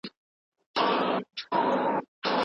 ځوانان به په دې ملي بهير کي ونډه واخلي.